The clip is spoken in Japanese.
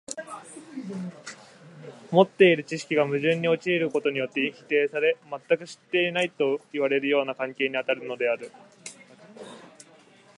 持っている知識が矛盾に陥ることによって否定され、全く知っていないといわれるような関係にあるのである。